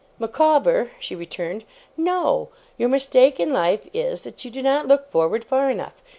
'Micawber,' she returned, 'no! Your mistake in life is, that you do not look forward far enough.